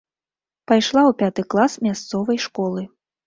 Пайшла ў пяты клас мясцовай школы.